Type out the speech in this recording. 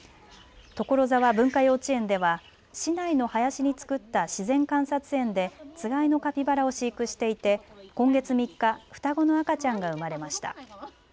所沢文化幼稚園では市内の林に造った自然観察園でつがいのカピバラを飼育していて今月３日、双子の赤ちゃんが生まれました。